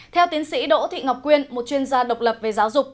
theo tiến sĩ đỗ thị ngọc quyên một chuyên gia độc lập về giáo dục